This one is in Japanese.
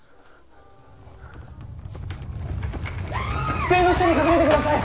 机の下に隠れてください！